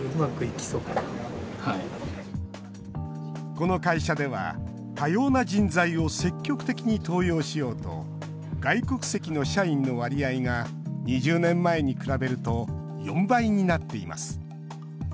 この会社では、多様な人材を積極的に登用しようと外国籍の社員の割合が２０年前に比べると４倍になっています。